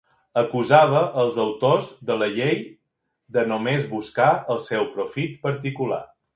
Acusava els autors de la llei de només buscar el seu profit particular.